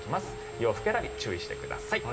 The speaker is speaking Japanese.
洋服選び、注意してください。